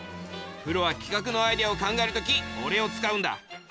プロは企画のアイデアを考える時おれを使うんだ。